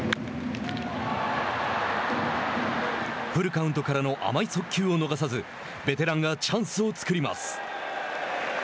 フルカウントからの甘い速球を逃さずベテランがチャンスを作ります。